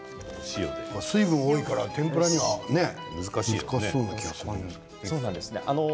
水分が多いから天ぷらには難しいような気がします。